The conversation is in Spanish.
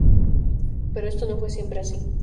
Pero esto no fue siempre así.